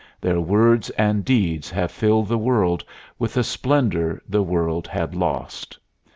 Their words and deeds have filled the world with a splendor the world had lost.